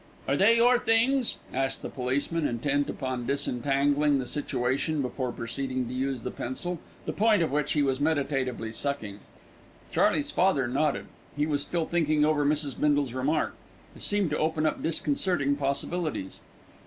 "Are they your things?" asked the policeman, intent upon disentangling the situation before proceeding to use the pencil, the point of which he was meditatively sucking. Charley's father nodded. He was still thinking over Mrs. Bindle's remark. It seemed to open up disconcerting possibilities.